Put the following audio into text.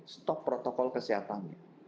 stop protokol kesehatannya